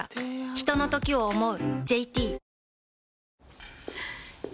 ひとのときを、想う。